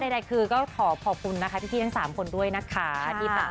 ได้คือก็ขอบคุณพี่ที่ทั้ง๓คนด้วยนะคะ